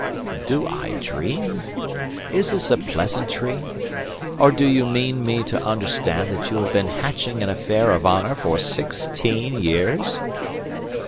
"Do I dream? Is this a pleasantry? Or do you mean me to understand that you have been hatching an affair of honour for sixteen years?"